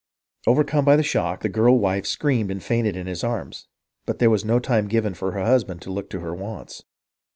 Overcome by the shock, the girl wife screamed and fainted in his arms ; but there was no time given for her husband to look to her wants.